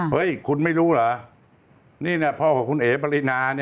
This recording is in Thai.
เฮ้ยคุณไม่รู้หรอ